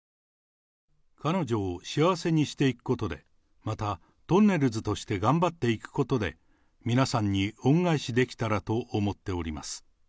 彼女を幸せにしていくことで、また、とんねるずとして頑張っていくことで、皆さんに恩返しできたらと思っております。